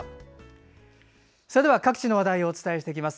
各地の話題をお伝えしていきます。